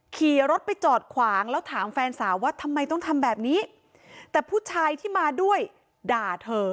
ขี่รถไปจอดขวางแล้วถามแฟนสาวว่าทำไมต้องทำแบบนี้แต่ผู้ชายที่มาด้วยด่าเธอ